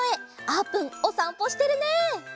あーぷんおさんぽしてるね！